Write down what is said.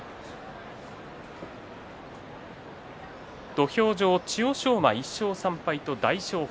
土俵上、千代翔馬１勝３敗と大翔鵬